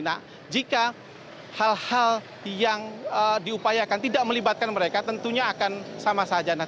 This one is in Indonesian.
nah jika hal hal yang diupayakan tidak melibatkan mereka tentunya akan sama saja